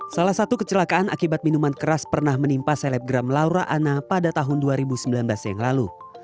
salah satu kecelakaan akibat minuman keras pernah menimpa selebgram laura anna pada tahun dua ribu sembilan belas yang lalu